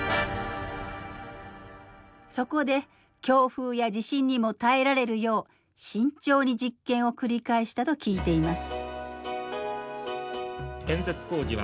そこで強風や地震にも耐えられるよう慎重に実験を繰り返したと聞いています。